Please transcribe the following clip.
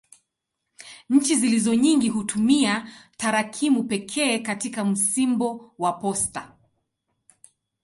Nchi zilizo nyingi hutumia tarakimu pekee katika msimbo wa posta.